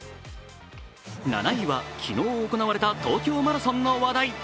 ７位は昨日行われた東京マラソンの話題。